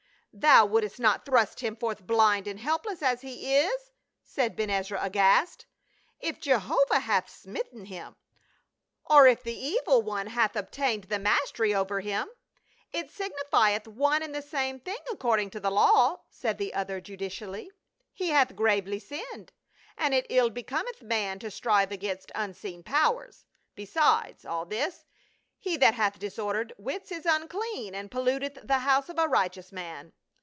" Thou wouldst not thrust him forth, blind and help less as he is !" said Ben Ezra, aghast. " If Jehovah hath smitten him, or if the evil one 26 PA UL. hath obtained the mastery over him, it signifleth one and the same thing according to the law," said the other judicially. " He hath gravely sinned, and it ill becometh man to strive against unseen powers ; besides all this, he that hath disordered wits is unclean and polluteth the house of a righteous man.